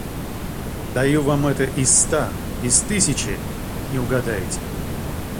Даю вам это из ста, из тысячи... не угадаете.